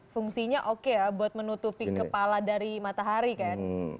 fungsinya oke ya buat menutupi kepala dari matahari kan